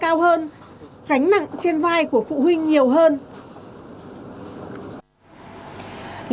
gánh nặng trên vai của phụ huynh nhiều hơn